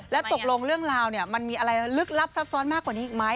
แล้วตกลงเรื่องราวมันมีอะไรลึกลับซับซ้อนมากกว่านี้อีกไหม